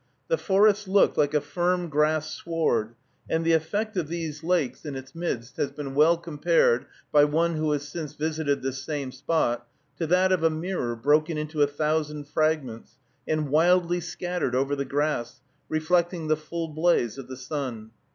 The forest looked like a firm grass sward, and the effect of these lakes in its midst has been well compared, by one who has since visited this same spot, to that of a "mirror broken into a thousand fragments, and wildly scattered over the grass, reflecting the full blaze of the sun."